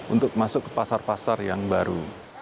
untuk masuk ke pasar pasar yang baru